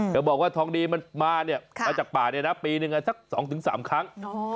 เขาบอกว่าทองดีมันมาจากป่าปีหนึ่งสักสองถึงสามครั้ง